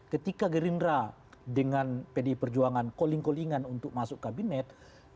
ketika gerindra dengan pdi perjuangan calling colingan untuk masuk kabinet